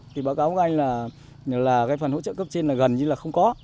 thì báo cáo của anh là phần hỗ trợ cấp trên gần như là không có